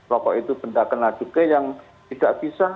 rokok itu benda kena duke yang tidak bisa dikonsumsi di pasarannya